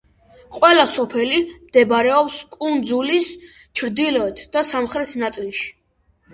ყველა სოფელი მდებარეობს კუნძულის ჩრდილოეთ და სამხრეთ ნაწილში.